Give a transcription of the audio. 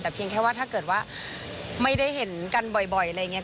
แต่เพียงแค่ว่าถ้าเกิดว่าไม่ได้เห็นกันบ่อยอะไรอย่างนี้